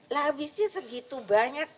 lah abisnya segitu banyak